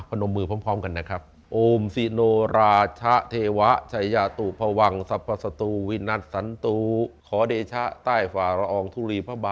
นมมือพร้อมกันนะครับ